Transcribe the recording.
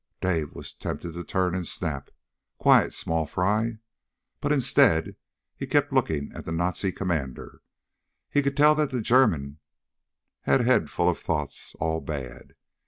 Dave was tempted to turn and snap, "Quiet! small fry!" but instead he kept looking at the Nazi commander. He could tell that the German had a head full of thoughts, all bad.